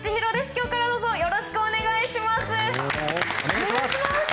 今日からどうぞよろしくお願いします！